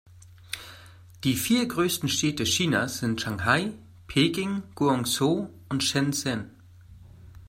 Die vier größten Städte Chinas sind Shanghai, Peking, Guangzhou und Shenzhen.